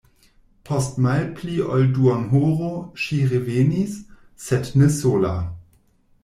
Post malpli ol duonhoro ŝi revenis, sed ne sola.